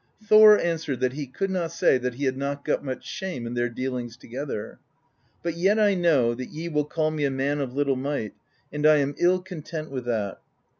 Thor answered that he could not say that he had not got much shame in their dealings together. ' But yet I know that ye will call me a man of little might, and I am ill content with that.'